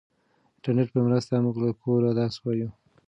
د انټرنیټ په مرسته موږ له کوره درس وایو.